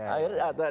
jadi kita batalkan